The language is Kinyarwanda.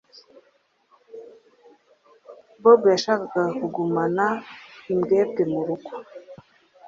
Bob yashakaga kugumana imbwebwe murugo.